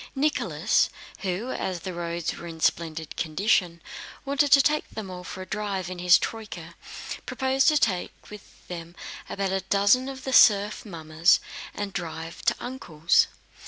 Nicholas, who, as the roads were in splendid condition, wanted to take them all for a drive in his troyka, proposed to take with them about a dozen of the serf mummers and drive to "Uncle's."